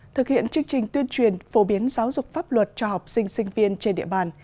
thực hiện chương trình tuyên truyền phổ biến giáo dục pháp luật cho học sinh sinh viên trên địa bàn